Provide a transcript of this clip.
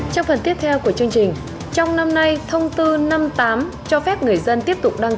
trong phần tiếp theo của chương trình trong năm nay thông tư năm mươi tám cho phép người dân tiếp tục đăng